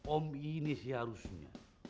om ini seharusnya